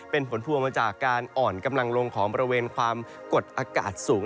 เป็นผลพวงมาจากการอ่อนกำลังลงของบริเวณความกดอากาศสูง